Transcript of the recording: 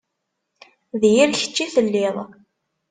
D yir kečč i telliḍ.